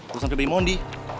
urusan pribadi mondi